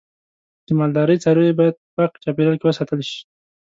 د مالدارۍ څاروی باید په پاک چاپیریال کې وساتل شي.